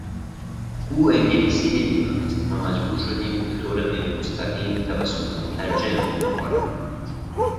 او انگلیسی نمیدانست و مجبور شدیم به طور غیرمستقیم توسط مترجم مکالمه کنیم.